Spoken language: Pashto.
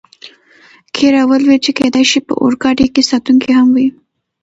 کې را ولوېد، چې کېدای شي په اورګاډي کې ساتونکي هم وي.